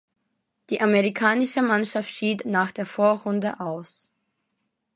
Die amerikanische Mannschaft schied nach der Vorrunde aus.